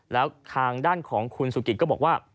แล้วทางด้านของคุณสุกิตก็บอกว่า